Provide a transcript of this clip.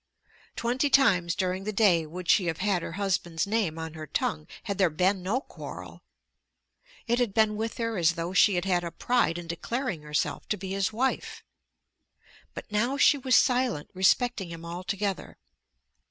Twenty times during the day would she have had her husband's name on her tongue had there been no quarrel. It had been with her as though she had had a pride in declaring herself to be his wife. But now she was silent respecting him altogether.